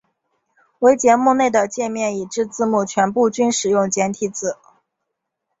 唯节目内的介面以至字幕全部均使用简体字。